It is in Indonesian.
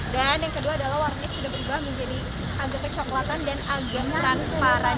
dan yang kedua adalah warnanya sudah berubah menjadi agak kecoklatan dan agak transparan